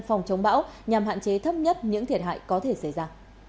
phòng chống bão nhằm hạn chế thấp nhất những thiệt hại có thể xảy ra